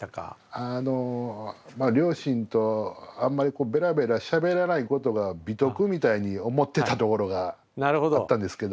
あの両親とあんまりこうベラベラしゃべらないことが美徳みたいに思ってたところがあったんですけども。